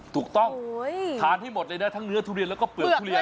ถูกต้องทานให้หมดเลยนะทั้งเนื้อทุเรียนแล้วก็เปลือกทุเรียน